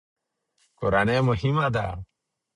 کورنۍ مهمه ده.